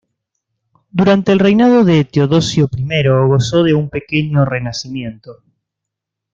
Durante el reinado de Teodosio I gozó de un pequeño renacimiento.